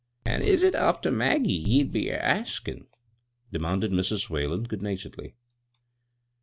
" An' is it after Maggie ye'd be a asldn' ?" demanded Mrs. Whalen, good naturedly.